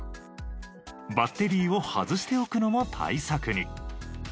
バッテリーを外しておくのも対策に。